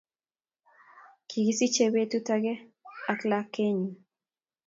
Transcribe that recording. kikisichei betut akenge ak lakeenyu